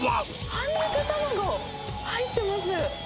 半熟卵、入ってます。